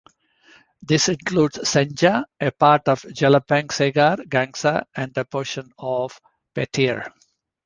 This includes Senja, a part of Jelapang, Segar, Gangsa and a portion of Petir.